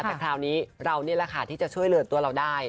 แต่คราวนี้เรานี่แหละค่ะที่จะช่วยเหลือตัวเราได้